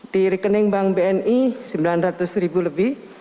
di rekening bank bni rp sembilan ratus lebih